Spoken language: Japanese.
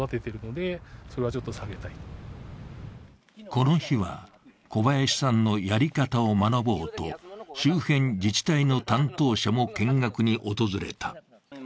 この日は、小林さんのやり方を学ぼうと周辺自治体の担当者も見学に訪れた。